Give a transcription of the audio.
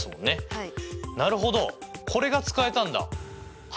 はい。